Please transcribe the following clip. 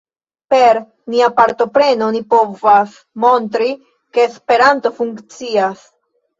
Per nia partopreno, ni povas montri ke Esperanto funkcias.